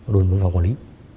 đội biên phòng quản lý